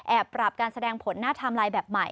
แอบปรับการแสดงผลหน้าทำลายแบบใหม่